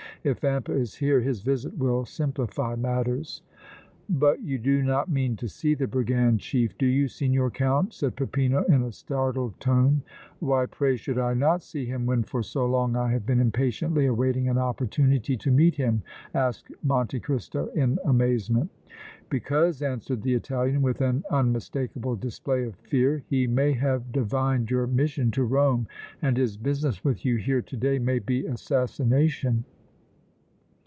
If Vampa is here, his visit will simplify matters." "But you do not mean to see the brigand chief, do you, Signor Count?" said Peppino, in a startled tone. "Why, pray, should I not see him when for so long I have been impatiently awaiting an opportunity to meet him?" asked Monte Cristo, in amazement. "Because," answered the Italian, with an unmistakable display of fear, "he may have divined your mission to Rome and his business with you here to day may be assassination!"